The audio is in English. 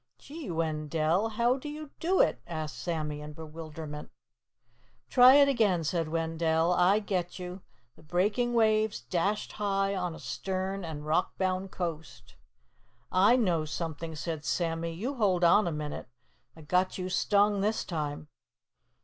'" "Gee, Wendell! How do you do it?" asked Sammy in bewilderment. "Try it again," said Wendell. "I get you. 'The breaking waves dashed high On a stern and rockbound coast.'" "I know something," said Sammy. "You hold on a minute. I got you stung this time."